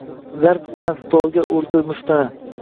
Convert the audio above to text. Zarb bilani stolga urdi mushtini.